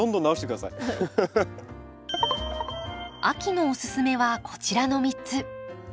秋のおすすめはこちらの３つ。